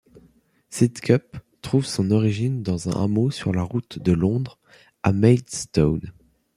Sidcup trouve son origine dans un hameau sur la route de Londres à Maidstone.